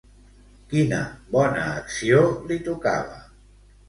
Quina bona acció li tocava?